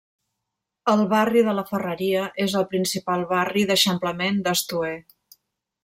El barri de la Ferreria és el principal barri d'eixamplament d'Estoer.